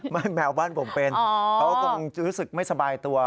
แมวบ้านผมเป็นเขาคงจะรู้สึกไม่สบายตัว